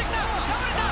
倒れた！